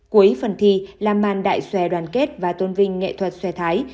cuối phần thi là màn đại xòe đoàn kết và tôn vinh nghệ thuật xòe thái